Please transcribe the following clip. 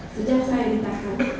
sejak saya ditahan